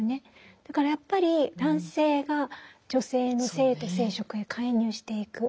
だからやっぱり男性が女性の性と生殖へ介入していく。